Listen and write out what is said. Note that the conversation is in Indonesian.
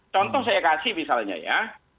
contoh saya kasih misalnya ya